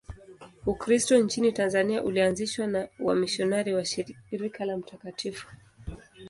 Ukristo nchini Tanzania ulianzishwa na wamisionari wa Shirika la Mt.